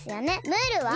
ムールは？